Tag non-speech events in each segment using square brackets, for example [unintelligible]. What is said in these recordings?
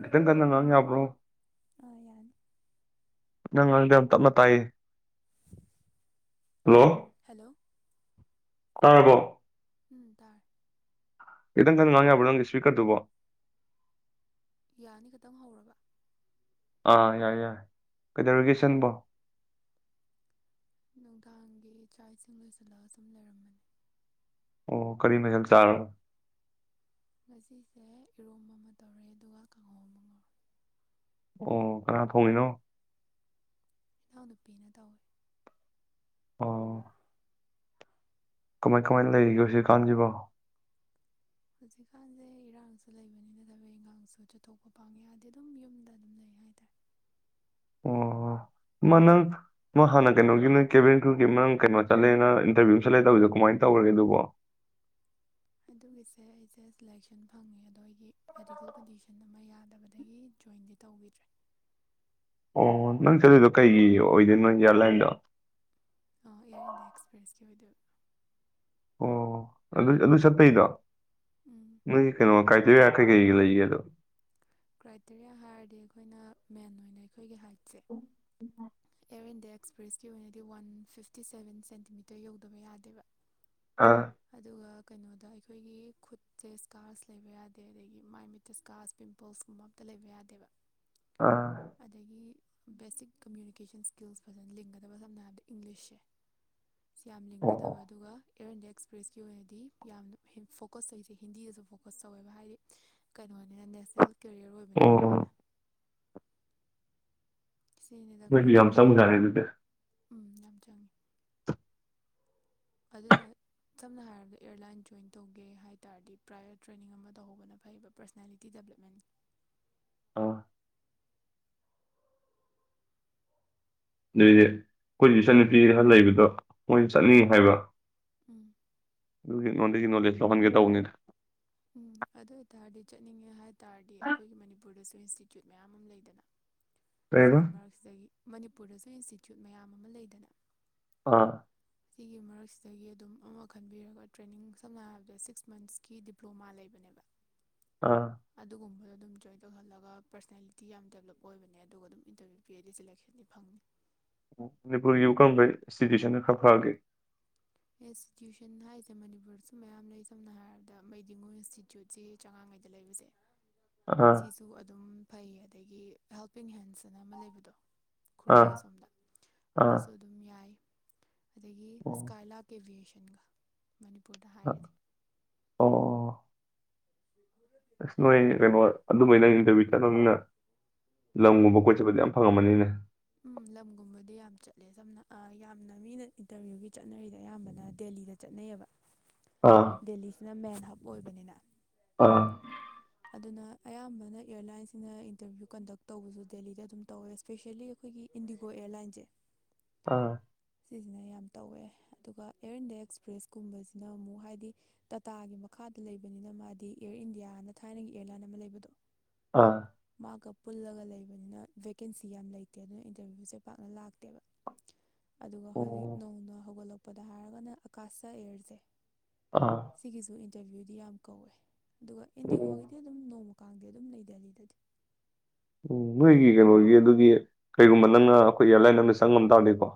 ꯈꯤꯇꯪ ꯀꯟꯅꯉꯥꯡ ꯌꯥꯄ꯭ꯔꯣ ꯑ ꯌꯥꯅꯤ ꯅꯪ ꯉꯥꯡꯗ ꯌꯥꯝ ꯇꯞꯅ ꯇꯥꯏꯌꯦ ꯍꯜꯂꯣ ꯍꯜꯂꯣ ꯇꯔꯕꯣ ꯎꯝ ꯇꯔ ꯈꯤꯇꯪ ꯀꯟꯅꯉꯥꯡ ꯌꯥꯕꯔ ꯅꯪ ꯁꯄꯤꯀꯔꯇꯨꯕꯣ ꯌꯥꯅꯤ ꯈꯛꯇꯪ ꯍꯧꯔꯕ ꯑꯥ ꯌꯥꯏ ꯌꯥꯏ ꯀꯩꯗꯧꯔꯒꯦ ꯏꯆꯟꯕꯣ ꯅꯨꯡꯗꯥꯡꯒꯤ ꯆꯥꯛ ꯏꯁꯤꯡ ꯂꯣꯏꯁꯤꯜꯂꯒ ꯁꯨꯝ ꯂꯩꯔꯝꯕꯅꯤ ꯑꯣ ꯀꯔꯤ ꯃꯁꯜ ꯆꯥꯔꯣ ꯉꯁꯤꯁꯦ ꯏꯔꯣꯝ ꯑꯃ ꯇꯧꯔꯦ ꯑꯗꯨꯒ ꯀꯥꯡꯍꯣ ꯑꯃ ꯉꯧꯔꯦ ꯑꯣ ꯀꯅꯥ ꯊꯣꯡꯉꯤꯅꯣ ꯏꯅꯥꯎꯅꯨꯄꯤꯅ ꯇꯧꯋꯤ ꯑꯣ ꯀꯃꯥꯏ ꯀꯃꯥꯏꯅ ꯂꯩꯔꯤꯒꯦ ꯍꯧ ꯖꯤꯛꯀꯥꯟꯁꯤꯕꯣ ꯍꯧꯖꯤꯛꯀꯥꯟꯁꯦ ꯏꯔꯥꯡꯁꯨ ꯂꯩꯕꯅꯤ ꯅꯠꯇꯕ ꯏꯟꯉꯥꯡꯁꯨ ꯆꯠꯊꯣꯛꯄ ꯄꯥꯡꯉꯦ ꯍꯥꯏꯗꯤ ꯑꯗꯨꯝ ꯌꯨꯝꯗ ꯑꯗꯨꯝ ꯂꯩ ꯍꯥꯏꯇꯥꯔꯦ ꯑꯣ ꯃꯥ ꯅꯪ ꯃꯥ ꯍꯥꯟꯅ ꯀꯩꯅꯣꯒꯤ ꯅꯪ ꯀꯦꯚꯦꯟ ꯀ꯭ꯔꯨꯀꯤ ꯅꯪ ꯀꯩꯅꯣ ꯆꯠꯂꯦ ꯅꯪ ꯏꯟꯇꯔꯚꯤꯌꯨ ꯑꯃ ꯆꯠꯂꯦ ꯇꯕꯗꯣ ꯀꯃꯥꯏꯅ ꯇꯧꯔꯒꯦ ꯑꯗꯨꯕꯣ ꯑꯗꯨꯒꯤꯁꯦ ꯑꯩꯁꯦ ꯁꯂꯦꯛꯁꯟ ꯐꯪꯉꯦ ꯑꯗꯣ ꯑꯩꯒꯤ ꯃꯦꯗꯤꯀꯦꯜ ꯀꯟꯗꯤꯁꯟ ꯑꯃ ꯌꯥꯗꯕꯗꯒꯤ ꯖꯣꯏꯟꯗꯤ ꯇꯧꯕꯈꯤꯗ꯭ꯔꯦ ꯑꯣ ꯅꯪ ꯆꯠꯂꯤꯗꯣ ꯀꯩꯒꯤ ꯑꯣꯏꯗꯣꯅꯪ ꯏꯅꯗꯤꯌꯥ ꯂꯥꯏꯜꯗꯣ ꯏꯟꯗꯌꯥ ꯑꯦꯛꯁꯄ꯭ꯔꯦꯁꯀꯤ ꯑꯣꯏꯅꯗ ꯑꯣ ꯑꯗꯨ ꯑꯗꯨ ꯆꯠꯇꯩꯗꯣ ꯎꯝ ꯀꯩꯅꫭ ꯀꯥꯏꯇꯔꯤ ꯀꯩꯒꯩ ꯂꯩꯒꯤ ꯀ꯭ꯔꯥꯏꯇꯦꯔꯤꯌꯥ ꯍꯥꯏꯔꯗꯤ ꯑꯩꯈꯣꯏꯅ ꯃꯦꯟ ꯑꯣꯏꯅ ꯑꯩꯈꯣꯏꯒꯤ ꯍꯥꯏ ꯎꯆ ꯎꯆꯦ [unintelligible] ꯑꯦꯌꯔ ꯏꯟꯗꯤꯌꯥ ꯑꯦꯛꯁꯄ꯭ꯔꯦꯁꯀꯤ ꯑꯣꯏꯅꯗꯤ ꯋꯥꯟ ꯐꯤꯐꯇꯤ ꯁꯚꯦꯟ ꯁꯦꯟꯇꯤꯃꯤꯇꯔ ꯌꯧꯗꯕ ꯌꯥꯗꯦꯕ ꯑꯥ ꯑꯗꯨꯒ ꯀꯩꯅꯣꯗ ꯑꯩꯈꯣꯏꯒꯤ ꯈꯨꯠꯁꯦ ꯏꯁꯀꯥꯔꯁ ꯂꯩꯕ ꯌꯥꯗꯦ ꯑꯗꯒꯤ ꯃꯥꯏ ꯃꯤꯠꯇ ꯁꯀꯥꯔꯁ ꯄꯤꯝꯄꯜꯁꯀꯨꯝꯕ ꯑꯝꯇ ꯂꯩꯕ ꯌꯥꯗꯦꯕ ꯑꯥ ꯑꯗꯒꯤ ꯦꯁ ꯀꯃꯨ [unintelligible] ꯀꯨꯀꯦꯁꯟ ꯁ꯭ꯀꯤꯜꯁ ꯐꯖꯅ ꯂꯤꯡꯒꯗꯕ ꯁꯝꯅ ꯍꯥꯏꯔꯕꯗ ꯏꯪꯂꯤꯁꯁꯦ ꯁꯤ ꯌꯥꯝ ꯑꯣ ꯑꯣ ꯂꯤꯡꯒꯗꯕ ꯑꯗꯨꯒ ꯑꯦꯌꯔ ꯏꯟꯗꯤꯌꯥ ꯑꯦꯛꯁꯄ꯭ꯔꯦꯁꯀꯤ ꯑꯣꯏꯅꯗꯤ ꯌꯥꯝꯅ ꯐꯣꯀꯁ ꯇꯧꯔꯤꯁꯦ ꯍꯤꯟꯗꯤꯗꯁꯨ ꯐꯣꯀꯁ ꯇꯧꯋꯦꯕ ꯍꯥꯏꯗꯤ ꯀꯩꯅꯣꯅꯤꯅ ꯅꯦꯁꯅꯦꯜ ꯀꯦꯔꯤꯌꯔ ꯎꯝ ꯑꯣꯏꯕꯅꯤꯅ ꯃꯥꯅ ꯎꯝ ꯁꯤꯅꯤꯗ ꯃ ꯌꯥꯝ ꯀ꯭ꯔꯥꯏꯇꯦꯔꯤꯌꯥ ꯍꯥꯏꯕ ꯁꯨꯖꯥꯏꯔꯦ ꯑꯗꯨꯗꯤ ꯎꯝ ꯌꯥꯝ ꯆꯪꯉꯤ ꯑꯗꯨꯅ ꯁꯝꯅ ꯍꯥꯏꯔꯕꯗ ꯑꯦꯌꯥꯔꯂꯥꯏꯟ ꯖꯣꯏꯟ ꯇꯧꯒꯦ ꯍꯥꯏ ꯇꯥꯔꯗꯤ ꯄ꯭ꯔꯥꯏꯌ ꯇ꯭ꯔꯦꯅꯤꯡ ꯑꯃ ꯇꯧꯍꯧꯕꯅ ꯐꯩꯌꯦꯕ ꯄꯔꯁꯅꯦꯂꯤꯇꯤ ꯗꯦꯕꯂꯞꯃꯦꯟꯅꯤ ꯑꯥ ꯑꯗꯨꯏꯗꯤ ꯑꯩꯈꯣꯏꯒꯤ ꯏꯆꯟ ꯅꯨꯨꯄꯤ ꯈꯔ ꯂꯩꯕꯗꯣ ꯃꯣꯏ ꯆꯠꯅꯤꯡ ꯍꯥꯏꯕ ꯎꯝ ꯑꯗꯨꯒꯤ ꯅꯣꯟꯗꯒꯤ ꯅꯣꯂꯦꯖ ꯂꯧꯍꯟꯒꯦ ꯇꯧꯕꯅꯤꯅ ꯎꯝ ꯑꯗꯨ ꯑꯣꯏ ꯇꯔꯗꯤ ꯆꯠꯅꯤꯡꯉꯦ ꯍꯥꯏ ꯇꯥꯔꯗꯤ ꯑꯩꯈꯣꯏꯒꯤ ꯃꯅꯤꯄꯨꯔꯗꯁꯨ ꯏꯟꯁꯇꯤꯇ꯭ꯌꯨꯠ ꯃꯌꯥꯝ ꯑꯃ ꯂꯩꯗꯅ ꯀꯩ ꯍꯥꯏꯕ ꯁꯤꯒꯤ ꯃꯔꯛꯁꯤꯗꯒꯤ ꯃꯅꯤꯄꯨꯔꯗ ꯑꯩ ꯏꯟꯁꯇꯤꯇ꯭ꯌꯨꯠ ꯃꯌꯥꯝ ꯑꯃ ꯂꯩꯗꯅ ꯑꯥ ꯁꯤꯒꯤ ꯃꯔꯛꯁꯤꯗꯒꯤ ꯑꯗꯨꯝ ꯑꯃ ꯈꯟꯕꯤꯔꯒ ꯇ꯭ꯔꯦꯅꯤꯡ ꯁꯝꯅ ꯍꯥꯏꯔꯕꯗ ꯁꯤꯛꯁ ꯃꯟꯁꯀꯤ ꯗꯤ ꯗꯤꯄ꯭ꯂꯣꯃꯥ ꯂꯩꯕꯅꯦꯕ ꯑꯥ ꯑꯗꯨ ꯀꯨꯝꯕ ꯑꯗꯨꯝ ꯖꯣꯏꯟ ꯇꯧꯍꯜꯂꯒ ꯄꯔꯁꯅꯦꯜꯂꯤꯇꯤ ꯌꯥꯝ ꯗꯦꯕꯂꯞ ꯑꯣꯏꯕꯅꯦ ꯑꯗꯨꯒ ꯑꯗꯨꯝ ꯏꯟꯇꯔꯚꯤꯌꯨ ꯄꯤꯔꯗꯤ ꯁꯦꯂꯦꯛꯁꯟꯗꯤ ꯐꯪꯅꯤ ꯃꯅꯤꯄꯨꯔꯒꯤ ꯎꯨꯀꯪꯕ ꯏꯟꯁꯇꯤꯇ꯭ꯌꯨꯁꯟ ꯈꯔ ꯐꯒꯦ ꯏꯟꯁꯇꯤꯇ꯭ꯌꯨꯁꯟ ꯍꯥꯏꯁꯦ ꯃꯅꯤꯄꯨꯔꯁꯨ ꯃꯌꯥꯝ ꯂꯩ ꯁꯝꯅ ꯍꯥꯏꯔꯕꯗ ꯃꯩꯗꯤꯉꯨ ꯏꯟꯁꯇꯤꯇ꯭ꯌꯨꯠꯁꯤ ꯆꯉꯥꯡꯉꯩꯗ ꯂꯩꯕꯁꯦ ꯑꯥ ꯁꯤꯁꯨ ꯑꯗꯨꯝ ꯐꯩ ꯑꯗꯒꯤ ꯍꯦꯜꯄꯤꯡ ꯍꯦꯟꯁ ꯑꯅ ꯑꯃ ꯂꯩꯕꯗꯣ ꯑꯥ ꯈꯨꯔꯥꯏ ꯑꯁꯣꯝꯗ ꯑꯥ ꯑꯗꯨꯁꯨ ꯑꯗꯨꯝ ꯌꯥꯏ ꯑꯗꯒꯤ ꯑꯣ ꯁꯀꯥꯏꯂꯥ ꯑꯦꯚꯌꯦꯁꯟꯒ ꯃꯅꯤꯄꯨꯔꯗ ꯑꯥ ꯍꯥꯏꯔꯗꯤ ꯑꯣ ꯑꯁ ꯅꯣꯏ ꯀꯩꯅꯣ ꯑꯗꯨꯃꯥꯏꯅ ꯊꯕꯤ ꯊ ꯅꯪꯅ ꯎꯝ ꯂꯪꯨꯕ ꯀꯣꯦ ꯌꯥꯝ ꯐꯪꯉꯝꯃꯅꯤꯅꯦ ꯎꯝ ꯂꯝꯒꯨꯝꯕꯗꯤ ꯌꯥꯝ ꯆꯠꯂꯦ ꯁꯝꯅ ꯌꯥꯝꯅ ꯃꯤꯅ ꯏꯟꯇꯔꯚꯤꯌꯨꯒꯤ ꯆꯠꯅꯔꯤꯗ ꯑꯌꯥꯝꯕꯅ ꯗꯦꯜꯂꯤꯗ ꯆꯠꯅꯩꯌꯦꯕ ꯑꯥ ꯗꯦꯜꯂꯤꯁꯤꯅ ꯃꯦꯟ ꯍꯥꯄ ꯑꯣꯏꯕꯅꯤꯅ ꯑꯥ ꯑꯗꯨꯅ ꯑꯌꯥꯝꯕꯅ ꯑꯦꯌꯥꯔꯂꯥꯏꯟꯁꯤꯡꯅ ꯏꯟꯇꯔꯚ꯭ꯌꯨ ꯀꯟꯗꯛ ꯇꯧꯕꯁꯨ ꯗꯦꯜꯂꯤꯗ ꯑꯗꯨꯝ ꯇꯧꯋꯦ ꯏꯁꯄꯦꯁꯦꯜꯂꯤ ꯑꯩꯈꯣꯏꯒꯤ ꯏꯟꯗꯤꯒꯣ ꯑꯦꯌꯥꯔꯂꯥꯏꯟꯁꯦ ꯑ ꯁꯤꯅ ꯌꯥꯝ ꯇꯧꯋꯦ ꯑꯗꯨꯒ ꯏꯌꯔ ꯏꯟꯗꯤꯌꯥ ꯑꯦꯛꯁꯄ꯭ꯔꯦꯁ ꯀꯨꯝꯕꯁꯤꯅ ꯑꯃꯨꯛ ꯍꯥꯏꯗꯤ ꯇꯥꯇꯥꯒꯤ ꯃꯈꯥꯗ ꯂꯩꯕꯅꯤꯅ ꯃꯥꯗꯤ ꯑꯦꯌꯔ ꯏꯟꯗꯤꯌꯥꯅ ꯊꯥꯏꯅꯒꯤ ꯑꯦꯌꯥꯔꯂꯥꯏꯟ ꯑꯃ ꯂꯩꯕꯗꯣ ꯑꯥ ꯃꯥꯒꯞ ꯄꯨꯜꯂꯒ ꯂꯩꯕꯅꯤꯅ ꯚꯦꯀꯦꯟꯁꯤ ꯌꯥꯝ ꯂꯩꯇꯦ ꯑꯗꯨꯅ ꯏꯟꯇꯔꯚꯤꯌꯨꯁꯦ ꯄꯥꯛꯅ ꯂꯥꯛꯇꯦꯕ ꯑꯗꯨꯒ ꯍꯧꯖꯤꯛ ꯑꯣ ꯅꯧꯅ ꯍꯧꯒꯠꯂꯛꯄ ꯄꯗ ꯍꯥꯏꯔꯒꯅ [unintelligible] ꯑꯥ ꯁꯤꯒꯤꯖꯨ ꯏꯟꯇꯔꯚ꯭ꯌꯨꯗꯤ ꯌꯥꯝ ꯀꯧꯋꯦ ꯑꯗꯨꯒ ꯑꯣ ꯏꯟꯗꯤꯒꯣꯒꯤꯗꯤ ꯑꯗꯨꯝ ꯅꯣꯡꯃ ꯀꯥꯡꯗꯤ ꯑꯗꯨꯝ ꯂꯩ ꯗꯦꯜꯂꯤꯗꯗꯤ ꯎꯝ ꯅꯣꯏꯒꯤ ꯀꯩꯅꯣꯒꯤ ꯑꯗꯨꯒꯤ ꯀꯩꯒꯨꯝꯕ ꯅꯪꯅ ꯑꯩꯈꯣꯏ ꯑꯦꯌꯥꯔꯂꯥꯏꯟ ꯑꯃꯗ ꯆꯪꯉꯝ ꯇꯥꯔꯗꯤꯀꯣ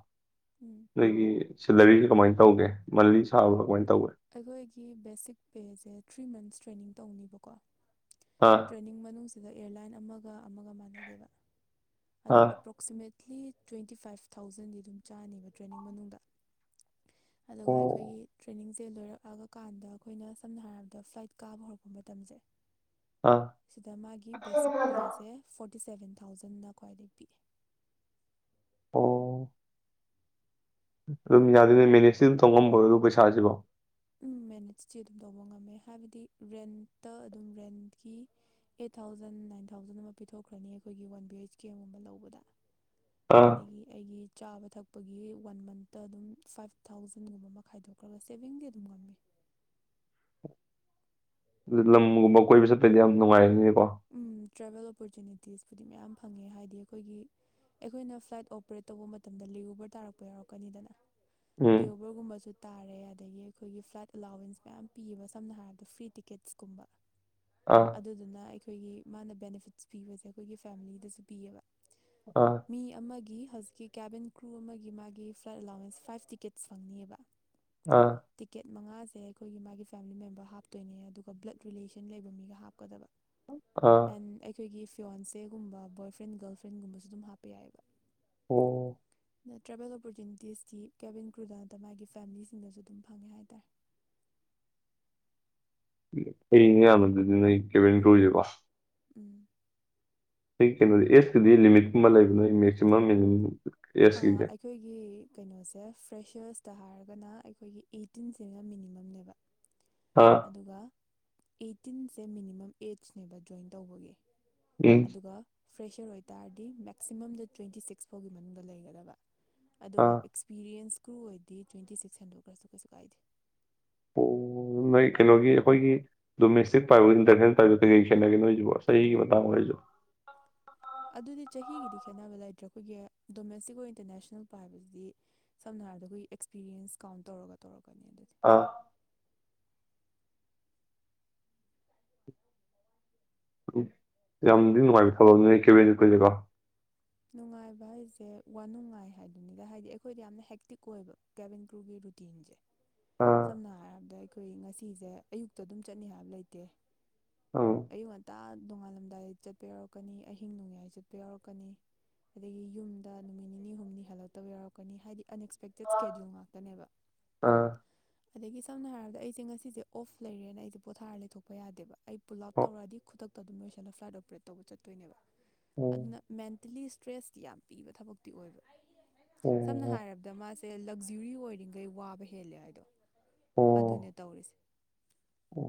ꯎꯝ ꯅꯣꯏꯒꯤ ꯁꯦꯂꯔꯤꯁꯦ ꯀꯃꯥꯏꯅ ꯇꯧꯒꯦ ꯃꯟꯂꯤ ꯁꯥꯕ ꯀꯃꯥꯏ ꯑꯩꯈꯣꯏꯒꯤ ꯕꯦꯁꯤꯛ ꯄꯦꯁꯦ ꯊ꯭ꯔꯤ ꯃꯟꯁ ꯇ꯭ꯔꯦꯅꯤꯡ ꯇꯧꯅꯦꯕꯀꯣ ꯑꯥ ꯇ꯭ꯔꯦꯅꯤꯡ ꯃꯅꯨꯡꯁꯤꯗ ꯑꯦꯌꯥꯔꯂꯥꯏꯟ ꯑꯃꯒ ꯑꯃꯒ ꯃꯥꯟꯅꯗꯦꯕ ꯑꯗꯣ ꯑꯥ ꯑꯦꯄ꯭ꯔꯣꯛꯁꯤꯃꯦꯠ [unintelligible] ꯇ꯭ꯋꯦꯟꯇꯤ ꯐꯥꯏꯚ ꯊꯥꯎꯖꯟꯗꯤ ꯑꯗꯨꯝ ꯆꯥꯅꯦꯕ ꯇ꯭ꯔꯦꯟꯅꯤꯡ ꯃꯅꯨꯡꯗ ꯑꯗꯨꯒ ꯑꯣ ꯑꯩꯈꯣꯏꯒꯤ ꯇ꯭ꯔꯦꯅꯤꯡ ꯂꯣꯏꯔꯛꯂꯕꯀꯥꯟꯗ ꯑꯩꯈꯣꯏꯅ ꯁꯝꯅ ꯍꯥꯏꯔꯕꯗ ꯐ꯭ꯂꯥꯏꯠ ꯀꯥꯕ ꯍꯧꯔꯛꯄ ꯃꯇꯝꯁꯦ ꯑꯥ ꯁꯤꯗ ꯃꯥꯒꯤ ꯕꯦꯁꯤꯛ ꯄꯦꯁꯦ ꯐꯣꯔ ꯐꯤꯐꯇꯤ ꯁꯕꯦꯟ ꯊꯥꯎꯖꯟꯅ ꯈ꯭ꯋꯥꯏꯗꯒꯤ ꯄꯤꯛꯏ ꯑꯣ ꯑꯗꯨꯝ ꯌꯥꯗꯣꯏꯅꯦ ꯃꯦꯅꯦꯖꯇꯤ ꯑꯗꯨꯝ ꯇꯧꯉꯝꯕꯣ ꯑꯗꯨ ꯄꯩꯁꯥꯁꯤꯕꯣ ꯎꯝ ꯃꯦꯅꯦꯠꯁꯇꯤ ꯑꯗꯨꯝ ꯇꯧꯕ ꯉꯝꯃꯦ ꯍꯥꯏꯕꯗꯤ ꯔꯦꯟꯠꯇ ꯑꯗꯨꯝ ꯔꯦꯟꯠꯀꯤ ꯑꯩꯠ ꯊꯥꯎꯖꯟ ꯅꯥꯏꯟ ꯊꯥꯎꯖꯟ ꯑꯃ ꯄꯤꯊꯣꯛꯈ꯭ꯔꯅꯤ ꯑꯩꯈꯣꯏꯒꯤ ꯋꯥꯟ ꯕꯤ ꯑꯩꯩꯆ ꯀꯦꯝ ꯑꯃꯒꯨꯝꯕ ꯂꯧꯕꯗ ꯑꯥ ꯑꯗꯒꯤ ꯑꯩꯒꯤ ꯆꯥꯕ ꯊꯛꯄꯒꯤ ꯋꯥꯟ ꯃꯟꯇ ꯑꯗꯨꯝ ꯐꯥꯏꯚ ꯊꯥꯎꯖꯟꯒꯨꯝꯕ ꯑꯃ ꯈꯥꯏꯗꯣꯛꯈ꯭ꯔꯒ ꯁꯦꯚꯤꯡ ꯂꯝꯒꯨꯝꯕ ꯀꯣꯏꯕ ꯆꯠꯄꯩꯗꯤ ꯌꯥꯝ ꯅꯨꯡꯉꯥꯏ ꯎꯝ ꯇ꯭ꯔꯦꯕꯦꯜ ꯑꯣꯄꯣꯔꯆꯨꯅꯤꯇꯤꯁꯄꯨꯗꯤ ꯃꯌꯥꯝ ꯐꯪꯉꯦ ꯍꯥꯏꯗꯤ ꯑꯩꯈꯣꯏꯒꯤ ꯑꯩꯈꯣꯏꯅ ꯐ꯭ꯂꯥꯏꯠ ꯑꯣꯄꯔꯦꯠ ꯇꯧꯕ ꯃꯇꯝꯗ ꯂꯦꯒꯣꯕꯔ ꯇꯥꯔꯛꯄ ꯌꯥꯎꯔꯛꯀꯅꯤꯗꯅ ꯎꯝ ꯂꯤꯑꯣꯕꯔꯒꯨꯝꯕꯁꯤ ꯇꯥꯔꯦ ꯑꯗꯒꯤ ꯑꯩꯈꯣꯏꯒꯤ ꯐ꯭ꯂꯥꯏꯠ ꯑꯦꯂꯥꯎꯋꯦꯟꯁ ꯃꯌꯥꯝ ꯄꯤꯌꯦꯕ ꯁꯝꯅ ꯍꯥꯏꯔꯕꯗ ꯐ꯭ꯔꯤ ꯇꯤꯀꯦꯠꯁꯀꯨꯝꯕ ꯑꯥ ꯑꯗꯨꯗꯨꯅ ꯑꯩꯈꯣꯏꯒꯤ ꯃꯥꯅ ꯕꯦꯅꯤꯐꯤꯠꯁ ꯄꯤꯕꯁꯦ ꯑꯩꯈꯣꯏꯒꯤ ꯐꯦꯃꯤꯂꯤꯗꯁꯨ ꯄꯤꯌꯦꯕ ꯑꯥ ꯃꯤ ꯑꯃꯒꯤ ꯍꯧꯖꯤꯛꯀꯤ ꯀꯦꯕꯤꯟ ꯀ꯭ꯔꯨ ꯑꯃꯒꯤ ꯃꯥꯒꯤ ꯐ꯭ꯂꯥꯏꯠ ꯑꯦꯂꯥꯎꯋꯦꯟꯁ ꯐꯥꯏꯞ ꯇꯤꯀꯦꯠꯁ ꯐꯪꯅꯤꯑꯕ ꯑꯥ ꯇꯤꯀꯦꯠ ꯃꯉꯥ ꯁꯦ ꯑꯩꯈꯣꯏꯒꯤ ꯃꯥꯒꯤ ꯐꯦꯃꯤꯂꯤ ꯃꯦꯝꯕꯔ ꯍꯥꯞꯇꯣꯏꯅꯦ ꯑꯗꯨꯒ ꯕ꯭ꯂꯗ ꯔꯤꯂꯦꯁꯟ ꯂꯩꯕ ꯃꯤꯒ ꯍꯥꯞꯀꯗꯕ ꯑꯥ ꯑꯦꯟ ꯑꯩꯈꯣꯏꯒꯤ ꯐꯤꯋꯥꯟꯁꯦꯒꯨꯝꯕ ꯕꯣꯏ ꯐ꯭ꯔꯦꯟ ꯒꯔꯜ ꯐ꯭ꯔꯦꯟꯒꯨꯝꯕꯁꯨ ꯑꯗꯨꯝ ꯍꯥꯞꯄ ꯌꯥꯏꯑꯕ ꯑꯣ ꯇ꯭ꯔꯦꯚꯦꯜ ꯑꯣꯄꯣꯔꯆꯨꯅꯤꯇꯤꯁꯇꯤ ꯀꯦꯕꯤꯟ ꯀ꯭ꯔꯨꯗ ꯅꯠꯇ ꯃꯥꯒꯤ ꯐꯦꯃꯤꯂꯤꯁꯤꯡꯗꯁꯨ ꯑꯗꯨꯝ ꯐꯪꯉꯦ ꯍꯥꯏꯇꯥꯔꯦ ꯑꯩꯩꯅꯦ ꯌꯥꯝꯅꯗꯗꯤꯅ ꯎꯝ ꯀꯦꯕꯤꯅꯤꯈꯖꯕ ꯎꯝ ꯑꯩ ꯀꯩꯅꯣꯗꯤ ꯑꯦꯁꯀꯗꯤ ꯂꯤꯃꯤꯠꯀꯨꯝꯕ ꯂꯩꯕ ꯅꯣꯏ ꯃꯦꯛꯁꯤꯃꯝ ꯃꯤꯅꯤꯃꯝ ꯑ ꯑꯦꯖꯀꯤꯁꯦ ꯑꯩꯈꯣꯏꯒꯤ ꯀꯩꯅꯣꯁꯦ ꯐ꯭ꯔꯦꯁꯔꯁꯇ ꯍꯥꯏꯔꯒꯅ ꯑꯩꯈꯣꯏꯒꯤ ꯑꯩꯇꯤꯟꯁꯤꯅ ꯃꯤꯅꯤꯃꯝꯅꯦꯕ ꯑꯥ ꯑꯗꯨꯒ ꯑꯩꯠꯇꯤꯟꯁꯦ ꯃꯤꯅꯤꯃꯝ ꯑꯦꯠꯅꯦꯕ ꯖꯣꯏꯟ ꯇꯧꯕꯒꯤ ꯎꯝ ꯑꯗꯨꯒ ꯐ꯭ꯔꯦꯁꯔ ꯑꯣꯏꯇꯥꯔꯗꯤ ꯃꯦꯛꯁꯤꯃꯝꯗ ꯇ꯭ꯋꯦꯟꯇꯤ ꯁꯤꯛꯁ ꯐꯥꯎꯒꯤ ꯃꯅꯨꯡꯗ ꯂꯩꯒꯗꯕ ꯑꯥ ꯑꯗꯨꯒ ꯑꯦꯛꯁꯄꯤꯔꯤꯌꯦꯟꯁ ꯀꯀ꯭ꯔꯨ ꯑꯣꯏꯗꯤ ꯇ꯭ꯋꯦꯟꯇꯤ ꯁꯤꯛꯁ ꯍꯟꯗꯣꯛꯈ꯭ꯔꯁꯨ ꯀꯩꯁꯨ ꯀꯥꯏꯗꯦ ꯑꯣ ꯅꯣꯏ ꯀꯩꯅꯣꯒꯤ ꯑꯩꯈꯣꯏꯒꯤ ꯗꯣꯃꯦꯁꯇꯤꯛ ꯄꯥꯏꯕ ꯏꯟꯇꯔꯅꯦꯁꯅꯦꯜ ꯄꯥꯏꯕ ꯀꯩꯀꯩ ꯈꯦꯠꯅꯒꯦ ꯅꯣꯏꯁꯤꯕꯨꯣ ꯆꯍꯤꯒꯤ ꯃꯇꯥꯡ ꯑꯣꯏꯣꯏꯁꯨ ꯑꯗꯨꯗꯤ ꯆꯍꯤꯒꯤꯗꯤ ꯈꯦꯠꯅꯕ ꯂꯩꯇ꯭ꯔꯦ ꯑꯩꯈꯣꯏꯒꯤ ꯗꯣꯃꯦꯁꯇꯤꯛ ꯑꯣꯏ ꯏꯟꯇꯔꯅꯦꯁꯅꯦꯜ ꯄꯣ ꯍꯥꯏꯕꯁꯤꯗꯤ ꯁꯝꯅ ꯍꯥꯏꯔꯕꯗ ꯑꯩꯈꯣꯏꯒꯤ ꯑꯦꯛꯁꯄꯤꯔꯤꯌꯦꯟꯁ ꯀꯥꯎꯟ ꯇꯧꯔꯒ ꯇꯧꯔꯛꯀꯅꯤꯅ ꯑꯥ ꯌꯥꯝꯗꯤ ꯅꯨꯡꯉꯥꯏꯕ ꯊꯕꯛꯅꯦ ꯀꯦꯕꯤꯗ ꯀꯂꯦꯀꯣ ꯅꯨꯡꯉꯥꯏꯕ ꯍꯥꯏꯁꯦ ꯋꯥꯅꯨꯡꯉꯥꯏ ꯍꯥꯏꯗꯨꯅꯤꯗ ꯍꯥꯏꯗꯤ ꯑꯩꯈꯣꯏꯗ ꯌꯥꯝꯅ ꯍꯦꯛꯇꯤꯛ ꯑꯣꯏꯕ ꯀꯦꯚꯟ ꯀ꯭ꯔꯨꯒꯤ ꯔꯨꯇꯤꯟꯁꯦ ꯑꯥ ꯁꯝꯅ ꯍꯥꯏꯔꯕꯗ ꯑꯩꯈꯣꯏ ꯉꯁꯤꯁꯦ ꯑꯌꯨꯛꯇ ꯑꯗꯨꯝ ꯆꯠꯅꯤ ꯍꯥꯏꯕ ꯂꯩꯇꯦ ꯑ ꯍ ꯇ ꯅꯣꯡꯉꯥꯜꯂꯝꯗꯥꯏ ꯆꯠꯄ ꯌꯥꯎꯔꯛꯀꯅꯤ ꯑꯍꯤꯡ ꯅꯣꯡꯌꯥꯏ ꯆꯠꯄ ꯌꯥꯎꯔꯛꯀꯅꯤ ꯑꯗꯒꯤ ꯌꯨꯝꯗ ꯅꯨꯃꯤꯠ ꯅꯤꯅꯤ ꯍꯨꯝꯅꯤ ꯍꯦꯜꯂꯛꯇꯕ ꯌꯥꯎꯔꯛꯀꯅꯤ ꯍꯥꯏꯗꯤ ꯑꯟꯑꯛꯁꯄꯦꯛꯇꯦꯠ ꯏꯁꯀꯦꯗ꯭ꯌꯨꯜ ꯉꯥꯛꯇꯅꯦꯕ ꯑꯥ ꯑꯗꯒꯤ ꯁꯝꯅ ꯍꯥꯏꯔꯕꯗ ꯑꯩꯁꯦ ꯉꯁꯤꯁꯦ ꯑꯣꯐ ꯂꯩꯔꯦꯅ ꯑꯩꯁꯦ ꯄꯣꯊꯥꯔ ꯂꯩꯊꯣꯛꯄ ꯌꯥꯗꯦꯕ ꯑꯩ ꯄꯨꯜ ꯑꯥꯎꯠ ꯑꯣ ꯇꯧꯔꯛꯑꯗꯤ ꯈꯨꯗꯛꯇ ꯑꯗꯨꯝ ꯂꯣꯏꯁꯜꯂꯣ ꯐ꯭ꯂꯥꯏꯠ ꯑꯣꯄꯔꯦꯠ ꯇꯧꯕ ꯆꯠꯇꯣꯏꯅꯦꯕ ꯑꯣ ꯑꯗꯨꯅ ꯃꯦꯟ ꯦꯟꯇꯦꯜꯂꯤ ꯏꯁꯇ꯭ꯔꯦꯁꯀꯤꯤ ꯌꯥꯝ ꯄꯤꯕ ꯊꯕꯛꯇꯤ ꯑꯣꯏꯕ ꯁꯝꯅ ꯑꯣ ꯍꯥꯏꯔꯕꯗ ꯃꯥꯁꯦ ꯂꯛꯖꯨꯔꯤ ꯑꯣꯏꯔꯤꯈꯩ ꯋꯥꯕ ꯍꯦꯜꯂꯦ ꯍꯥꯏꯗꯣ ꯑꯣ ꯑꯗꯨꯅꯦ ꯇꯧꯔꯤꯁꯦ ꯑꯣ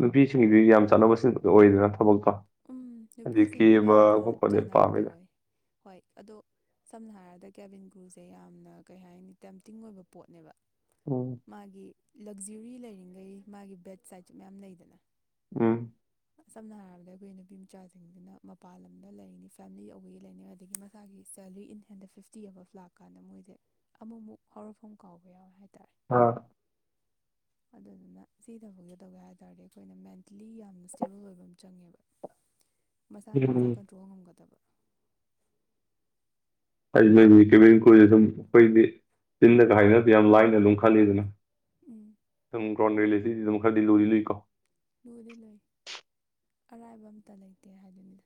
ꯅꯨꯄꯤꯁꯤꯡꯒꯤꯗꯨ ꯌꯥꯝ ꯆꯥꯟꯅꯕꯁꯤꯡ ꯑꯣꯏꯗꯅ ꯊꯕꯛ ꯎꯝ ꯅꯨꯄꯤꯁꯤꯡꯒꯤꯗꯤ ꯌꯥꯝꯅ ꯈꯣꯠꯄꯗꯤ ꯆꯥꯟꯅꯕꯗꯤ ꯄꯥꯝꯃꯤꯗ ꯑꯣꯏ ꯍꯣꯏ ꯑꯗꯣ ꯁꯝꯅ ꯍꯥꯏꯔꯕ ꯍ ꯗ ꯀꯦꯕꯤꯟ ꯭ꯔꯨꯁꯦ ꯌꯥꯝꯅ ꯀꯩ ꯍꯥꯏꯅꯤ ꯇꯦꯝꯇꯤꯡ ꯑꯣꯏꯕ ꯄꯣꯠꯅꯦꯕ ꯎꯝ ꯃꯥꯒꯤ ꯂꯛꯖꯨꯔꯤ ꯂꯩꯔꯤꯉꯩ ꯃꯥꯒꯤ ꯕꯦꯠ ꯁꯥꯏꯠꯁꯨ ꯃꯌꯥꯝ ꯂꯩꯗꯅ ꯑꯝ ꯁꯅꯥꯔꯗ ꯑꯩꯕꯣꯏ ꯅꯨꯄꯤ ꯃꯆꯥꯁꯤꯡꯗꯨꯅ ꯃꯄꯥꯟ ꯂꯝꯗ ꯂꯩꯔꯤꯅꯤ ꯐꯦꯃꯤꯂꯤ ꯑꯧꯕꯒꯤ ꯂꯩꯔꯤꯅꯤꯩ ꯑꯗꯒꯤ ꯃꯁꯥꯒꯤ ꯁꯦꯂꯔꯤ ꯏꯟ ꯍꯦꯟꯗ ꯐꯤꯐꯇꯤ ꯑꯃꯐ ꯂꯥꯛꯀꯥꯟꯗ ꯃꯣꯏꯁꯦ ꯑꯃꯨꯛꯃꯨꯛ ꯍꯧꯥꯎꯔꯛꯐꯝ ꯀꯥꯎꯕ ꯌꯥꯎꯋꯦ ꯍꯥꯏꯇꯥꯔꯦ ꯑꯥ ꯑꯗꯨꯗꯨꯅ ꯁꯤ ꯇꯧꯒꯦ ꯇꯧꯒꯦ ꯍꯥꯏ ꯇꯥꯔꯗꯤ ꯑꯩꯈꯣꯏꯅ ꯃꯦꯟꯇꯦꯜꯂꯤ ꯌꯥꯝꯅ ꯏꯁꯇꯦꯕꯜ ꯑꯣꯏꯕ ꯑꯃ ꯆꯪꯉꯦꯕ ꯃꯁꯥꯅ ꯎꯝ ꯃꯆꯥ ꯀꯟꯇ꯭ꯔꯣ ꯉꯝꯒꯗꯕ ꯍꯥꯏꯗꯤ ꯃꯣꯏꯗꯤ ꯀꯦꯕꯤ ꯀꯨꯁꯦ ꯑꯗꯨꯝ ꯑꯩꯈꯣꯏꯗꯤ ꯆꯤꯟꯗꯒ ꯍꯥꯏꯅꯕꯗꯤ ꯌꯥꯝ ꯂꯥꯏꯅ ꯑꯗꯨꯝ ꯈꯜꯂꯤꯗꯅ ꯎꯝ ꯍꯃ [unintelligible] ꯁꯤ ꯑꯗꯨꯝ ꯈꯔꯗꯤ ꯂꯨꯗꯤ ꯂꯨ ꯀꯣ ꯂꯨꯗꯤ ꯂꯨꯏ ꯑꯔꯥꯏꯕ ꯑꯝꯇ ꯂꯩꯇꯦ ꯍꯥꯏꯗꯨꯅꯤꯗ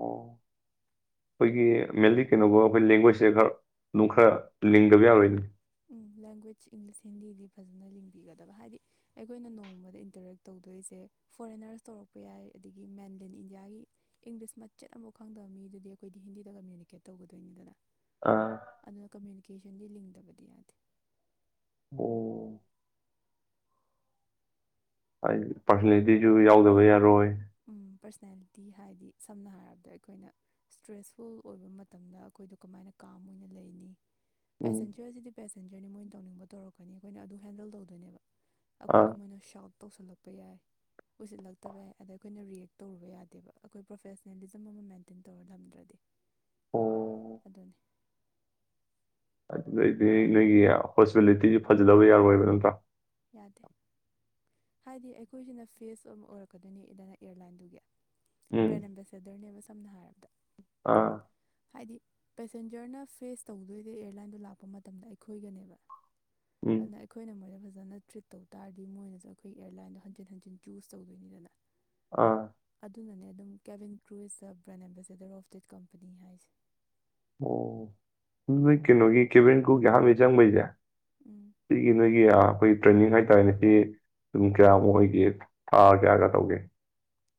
ꯑꯣ ꯑꯩꯈꯣꯏꯒꯤ ꯃꯦꯟꯂꯤ ꯀꯩꯅꯣꯒ ꯑꯩꯈꯣꯏ ꯂꯦꯡꯒ꯭ꯋꯦꯖꯁꯦ ꯈꯔ ꯑꯗꯨꯝ ꯈꯔ ꯂꯤꯡꯗꯕ ꯌꯥꯔꯣꯏꯅꯦ ꯂꯦꯡꯒ꯭ꯋꯦꯖ ꯏꯪꯂꯤꯁ ꯍꯤꯟꯗꯤꯗꯤ ꯐꯖꯅ ꯂꯤꯡꯕꯤꯒꯗꯕ ꯍꯥꯏꯗꯤ ꯑꯩꯈꯣꯏꯅ ꯅꯣꯡꯃꯗ ꯏꯟꯇꯔꯦꯛ ꯇꯧꯗꯣꯏꯁꯦ ꯐꯣꯔꯦꯟꯅꯔꯁ ꯇꯧꯔꯛꯄ ꯌꯥꯏ ꯑꯗꯒꯤ ꯃꯦꯟꯂꯦꯟ ꯏꯟꯗꯤꯌꯥꯒꯤ ꯏꯪꯂꯤꯁ ꯃꯆꯦꯠ ꯑꯃꯐꯥꯎ ꯈꯪꯗꯕ ꯃꯤꯗꯨꯗꯤ ꯑꯩꯈꯣꯏꯗꯤ ꯍꯤꯟꯗꯤꯗ ꯀꯝꯃꯨꯅꯤꯀꯦꯠ ꯇꯧꯒꯗꯣꯏꯅꯤꯗꯅ ꯑꯥ ꯑꯗꯨꯅꯥ ꯀꯃꯨꯅꯤ [unintelligible] ꯀꯦꯁꯟꯗꯤ ꯂꯤꯡꯗꯕ ꯑꯣ ꯍꯥꯏ ꯄꯥꯔꯁꯣꯅꯦꯂꯤꯇꯤꯁꯨ ꯌꯥꯎꯗꯕ ꯌꯥꯔꯣꯏ ꯄꯔꯁꯅꯦꯜꯂꯤꯇꯤ ꯍꯥꯏꯗꯤ ꯁꯝꯅ ꯍꯥꯏꯔꯕꯗ ꯑꯩꯈꯣꯏꯅ ꯏꯁꯇ꯭ꯔꯦꯁꯐꯨꯜ ꯑꯣꯏꯕ ꯃꯇꯝꯗ ꯑꯩꯈꯣꯏꯗꯣ ꯀꯃꯥꯏꯅ ꯀꯥꯝ ꯑꯣꯏꯅ ꯂꯩꯅꯤ ꯎꯝ ꯄꯦꯁꯦꯟꯖꯖꯤꯗꯤ ꯄꯦꯁꯦꯟꯖꯔꯅꯦ ꯃꯣꯏꯅ ꯇꯧꯅꯤꯡꯕ ꯇꯧꯔꯛꯀꯅꯤ ꯑꯈꯣꯏꯅ ꯑꯗꯨ ꯍꯦꯟꯗꯜ ꯇꯧꯗꯣꯏꯅꯦꯕ꯫ ꯑꯥ ꯑꯩꯈꯣꯏꯗ ꯃꯣꯏꯅ ꯁꯥꯎ ꯇꯧꯁꯜꯂꯛꯄ ꯌꯥꯏ ꯎꯁꯤꯜꯂꯛꯇꯕ ꯌꯥꯏ ꯑꯗ ꯑꯩꯈꯣꯏꯅ ꯔꯤꯌꯦꯛ ꯇꯧꯔꯨꯕ ꯌꯥꯗꯦꯕ ꯑꯩꯈꯣꯏ ꯄ꯭ꯔꯣꯐꯦꯁꯅꯦꯂꯤꯖꯝ ꯑꯃ ꯃꯦꯟꯇꯦꯟ ꯇꯧꯔ ꯊꯝꯗ꯭ꯔꯗꯤ ꯑꯣ ꯑꯗꯨꯅꯤ ꯑꯗꯨꯗꯩꯗꯤ ꯅꯣꯏꯒꯤ ꯍꯣꯁꯄꯤꯇꯦꯂꯤꯇꯤꯁꯨ ꯐꯖꯗꯕ ꯌꯥꯔꯣꯏꯕ ꯅꯠꯇ꯭ꯔꯥ ꯍꯥꯏꯗꯤ ꯑꯩꯈꯣꯏꯁꯤꯅ ꯐꯦꯁ ꯑꯃ ꯑꯣꯏꯔꯛꯀꯗꯣꯏꯅꯤ ꯏꯗꯅ ꯑꯦꯌꯥꯔꯂꯥꯏꯟꯗꯨꯒꯤ ꯎꯝ ꯕ꯭ꯔꯦꯟ ꯑꯦꯝꯕꯦꯁꯦꯗꯔꯅꯦꯕ ꯁꯝꯅ ꯍꯥꯏꯔꯕꯗ ꯑꯥ ꯍꯥꯏꯗꯤ ꯄꯦꯁꯦꯟꯖꯔꯅ ꯐꯦꯁ ꯇꯧꯗꯣꯏꯁꯦ ꯑꯦꯌꯥꯔꯂꯥꯏꯟꯗꯣ ꯂꯥꯛꯄ ꯃꯇꯝꯗ ꯑꯩꯈꯣꯏꯒꯅꯦꯕ ꯎꯝ ꯑꯗꯨꯅ ꯑꯩꯈꯣꯏꯅ ꯃꯣꯗ ꯐꯖꯅ ꯇ꯭ꯔꯤꯠ ꯇꯧ ꯇꯥꯔꯗꯤ ꯃꯣꯏꯅꯁꯨ ꯑꯩꯈꯣꯏ ꯑꯦꯌꯥꯔꯂꯥꯏꯟꯗꯣ ꯍꯟꯖꯤꯟ ꯍꯟꯖꯤꯟ ꯆꯨꯖ ꯇꯧꯗꯣꯏꯅꯤꯗꯅ ꯑꯥ ꯑꯗꯨꯅꯅꯦ ꯑꯗꯨꯝ ꯀꯦꯕꯤꯟ ꯀ꯭ꯔꯨꯁꯇ brand ambassador of that company ꯍꯥꯏꯁꯦ ꯑꯣ ꯅꯣꯏ ꯀꯩꯅꯣꯒꯤ ꯀꯦꯕꯤꯟ ꯀꯔ꯭ꯤꯎꯒꯤ ꯑꯍꯟꯕꯩ ꯆꯪꯕꯩꯁꯦ ꯎꯝ ꯁꯤꯒꯤ ꯅꯣꯏꯒꯤ ꯈꯣꯏ ꯇ꯭ꯔꯦꯟꯅꯤꯡ ꯍꯥꯏꯇꯥꯔꯦꯅꯦ ꯇꯤꯌꯦ ꯔꯨꯝ ꯀꯌꯥꯃꯨꯛ ꯑꯣꯏꯒꯦ ꯊꯥ ꯀꯌꯥꯒ ꯇꯧꯒꯦ꯫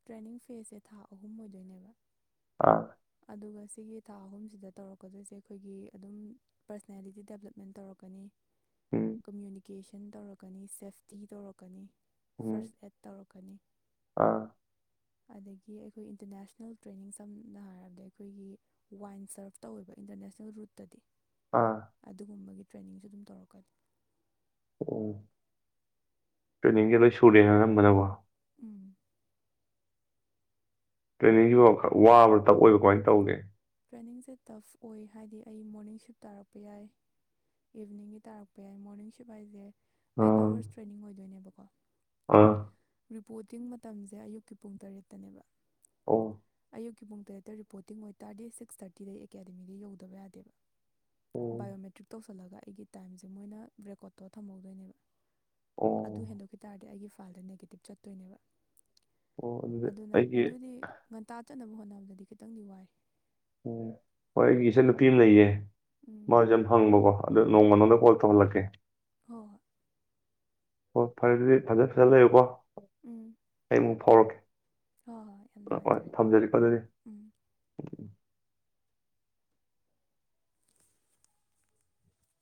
ꯇ꯭ꯔꯦꯅꯤꯡ ꯐꯦꯁꯁꯦ ꯊꯥ ꯑꯍꯨꯝ ꯑꯣꯏꯗꯣꯏꯅꯦꯕ ꯑꯥ ꯑꯗꯨꯒ ꯁꯤꯒꯤ ꯊꯥ ꯑꯍꯨꯝꯁꯤꯗ ꯇꯧꯔꯛꯀꯗꯣꯏꯁꯦ ꯑꯩꯈꯣꯏꯒꯤ ꯑꯗꯨꯝ ꯄꯔꯁꯅꯦꯂꯤꯇꯤ ꯗꯦꯕꯂꯞꯃꯦꯟ ꯇꯧꯔꯛꯀꯅꯤ ꯎꯝ ꯀꯃꯨꯅꯤ ꯀꯦꯁꯟ ꯇꯧꯔꯛꯀꯅꯤ ꯁꯦꯐꯇꯤ ꯇꯧꯔꯛꯀꯅꯤ ꯎꯝ ꯐꯥꯔꯁ ꯑꯦꯠ ꯇꯧꯔꯛ ꯀꯅꯤ ꯑꯥ ꯑꯗꯒꯤ ꯑꯩꯈꯣꯏ ꯏꯟꯇꯔꯅꯦꯁꯅꯦꯜ ꯇ꯭ꯔꯦꯅꯤꯡ ꯁꯝꯅ ꯍꯥꯏꯔꯕꯗ ꯑꯩꯈꯣꯏꯒꯤ ꯋꯥꯏꯟ ꯁꯔꯞ ꯇꯧꯋꯦꯕ ꯏꯟꯇꯔꯅꯦꯁꯅꯦꯜ ꯔꯨꯠꯇꯗꯤ ꯑꯥ ꯑꯗꯨꯒꯨꯝꯕꯒꯤ ꯇ꯭ꯔꯦꯅꯤꯡꯁꯨ ꯑꯗꯨꯝ ꯇꯧꯔꯛꯀꯅꯤ ꯑꯣ ꯇ꯭ꯔꯦꯅꯤꯡꯖꯦ ꯂꯣꯏ ꯁꯨꯔꯦ ꯑꯅꯝꯕꯅꯋꯣ꯫ ꯎꯝ ꯇ꯭ꯔꯦꯅꯤꯡꯁꯤ ꯈꯔꯥ ꯋꯥꯕ꯭ꯔꯥ ꯇꯞ ꯑꯣꯏꯕ ꯀꯃꯥꯏꯅ ꯇꯧꯒꯦ ꯇ꯭ꯔꯦꯅꯤꯡꯁꯦ ꯇꯐ ꯑꯣꯏ ꯍꯥꯏꯗꯤ ꯑꯩ ꯃꯣꯔꯅꯤꯡ ꯁꯤꯞ ꯇꯥꯔꯛꯄ ꯌꯥꯏ ꯏꯚꯅꯤꯡꯒꯤ ꯇꯥꯔꯛꯄ ꯌꯥꯏ ꯃꯣꯔꯅꯤꯡ ꯁꯤꯞ ꯍꯥꯏꯁꯦ ꯑꯩꯗꯣ ꯑꯥ ꯋꯥꯔꯁ ꯇ꯭ꯔꯦꯅꯤꯡ ꯑꯣꯏꯗꯣꯏꯅꯦꯕ꯫ ꯑꯥ꯫ ꯔꯤꯄꯣꯔꯇꯤꯡ ꯃꯇꯝꯁꯦ ꯑꯌꯨꯛꯀꯤ ꯄꯨꯡ ꯇꯔꯦꯠꯇꯅꯦꯕ ꯑꯣ꯫ ꯑꯌꯨꯛꯀꯤ ꯄꯨꯡ ꯇꯔꯦꯠꯇ ꯔꯤꯄꯣꯔꯇꯤꯡ ꯑꯣꯏ ꯇꯥꯔꯗꯤ ꯁꯤꯛꯁ ꯊꯥꯔꯇꯤꯗ ꯑꯩ ꯑꯦꯀꯥꯗꯃꯤꯗ ꯌꯧꯗꯕ ꯌꯥꯗꯦꯕ ꯑꯣ ꯕꯥꯏꯑꯣꯃꯦꯇ꯭ꯔꯤꯛ ꯇꯧꯁꯤꯜꯂꯒ ꯑꯩꯒꯤ ꯇꯥꯏꯝꯁꯦ ꯃꯣꯏꯅ ꯔꯦꯀꯣꯔꯠ ꯇꯧꯔ ꯊꯝꯍꯧꯗꯣꯏꯅꯦꯕ꯫ ꯑꯣ ꯑꯗꯨ ꯍꯦꯟꯗꯣꯛꯈꯤ ꯇꯥꯔꯗꯤ ꯑꯩꯒꯤ ꯏꯄꯥꯜꯗ ꯅꯦꯒꯦꯇꯤꯞ ꯆꯠꯇꯣꯏꯅꯦꯕ꯫ ꯑꯣ ꯑꯗꯨꯗꯤ ꯑꯗꯨꯅ ꯑꯩꯒꯤ ꯑꯗꯨꯗꯤ ꯉꯟꯇꯥ ꯆꯠꯅꯕ ꯍꯣꯠꯅꯕ ꯗꯗꯤ ꯈꯤꯇꯪꯗꯤ ꯋꯥꯏ꯫ ꯑꯣ ꯍꯣꯏ ꯑꯩꯒꯤ ꯏꯆꯟꯅꯨꯄꯤ ꯑꯃ ꯂꯩꯌꯦ꯫ ꯎꯝ ꯃꯥꯖꯦ ꯍꯪꯕꯀꯣ ꯑꯗꯨ ꯅꯣꯡꯃ ꯎꯝ ꯅꯥꯉꯣꯟꯗ ꯀꯣꯜ ꯇꯧꯍꯜꯂꯛꯀꯦ꯫ ꯍꯣꯏ ꯍꯣꯏ ꯑꯣ ꯐꯔꯦ ꯐꯖ ꯐꯖꯅ ꯂꯩꯌꯨꯀꯣ꯫ ꯎꯝ ꯑꯩ ꯑꯃꯨꯛ ꯐꯥꯎꯔꯛꯀꯦ꯫ ꯍꯣꯏ ꯌꯥꯝ ꯍꯣꯏ ꯍꯣꯏ ꯅꯨꯡꯉꯥꯏꯖꯔꯦ ꯊꯝꯖꯔꯤ ꯀꯣ ꯑꯗꯨꯗꯤ꯫ ꯎꯝ